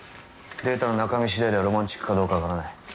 データの中身次第ではロマンチックかどうかわからない。